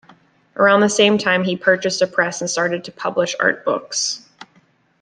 Around the same time he purchased a press and started to publish art books.